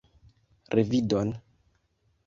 Revidon?